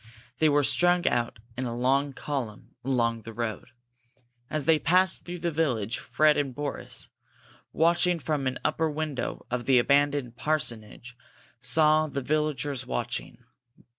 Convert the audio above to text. They were strung out in a long column along the road. As they passed through the village Fred and Boris, watching from an upper window of the abandoned parsonage, saw the villagers watching.